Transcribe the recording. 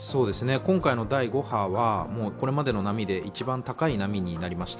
今回の第５波はこれまでの波で一番高い波になりました。